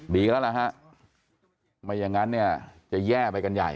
ดีแล้วล่ะฮะไม่อย่างนั้นเนี่ยจะแย่ไปกันใหญ่